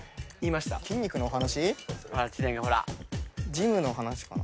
ジムの話かな？